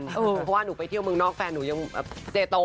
เพราะว่าหนูไปเที่ยวเมืองนอกแฟนหนูยังแบบเจโต